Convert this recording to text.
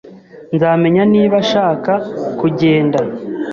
Nzamenya niba ashaka kugenda.